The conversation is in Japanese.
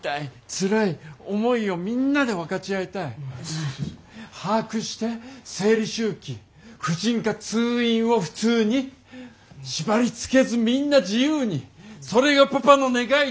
ツラい思いをみんなで分かち合いたい把握して生理周期婦人科通院を普通に縛り付けずみんな自由にそれがパパの願い